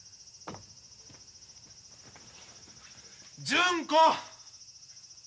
純子！